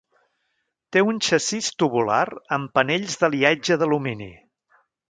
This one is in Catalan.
Té un xassís tubular amb panells d'aliatge d'alumini.